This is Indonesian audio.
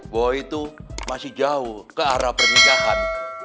bahwa itu masih jauh ke arah pernikahan